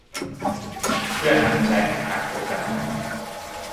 เพื่อนำไปใช้กับการโฆษณา